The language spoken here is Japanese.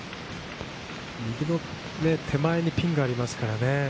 右の手前にピンがありますからね。